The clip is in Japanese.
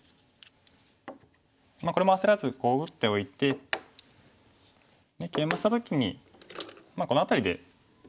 これも焦らず打っておいてケイマした時にこの辺りで。